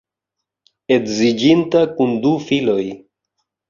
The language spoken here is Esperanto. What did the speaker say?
Edziĝinta kun du filoj.